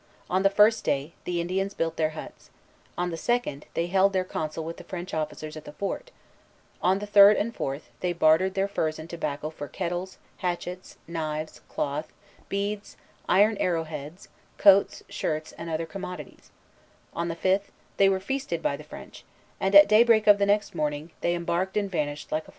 On the first day, the Indians built their huts; on the second, they held their council with the French officers at the fort; on the third and fourth, they bartered their furs and tobacco for kettles, hatchets, knives, cloth, beads, iron arrow heads, coats, shirts, and other commodities; on the fifth, they were feasted by the French; and at daybreak of the next morning, they embarked and vanished like a flight of birds.